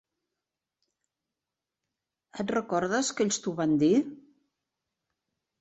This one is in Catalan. Et recordes que ells t'ho van dir?